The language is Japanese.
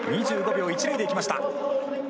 ２５秒１０で行きました。